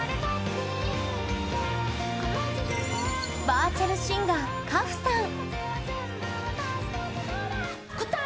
バーチャルシンガー花譜さん。